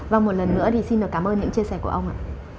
và một lần nữa thì xin cảm ơn những chia sẻ của ông ạ